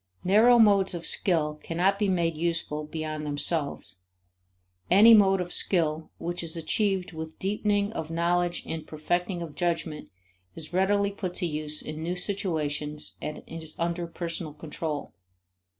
Narrow modes of skill cannot be made useful beyond themselves; any mode of skill which is achieved with deepening of knowledge and perfecting of judgment is readily put to use in new situations and is under personal control.